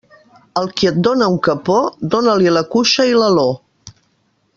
Al qui et dóna un capó, dóna-li la cuixa i l'aló.